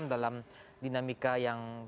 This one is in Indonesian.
dalam dinamika yang